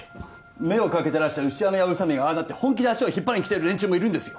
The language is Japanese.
目をかけてらした牛山や宇佐美がああなって本気で足を引っ張りに来てる連中もいるんですよ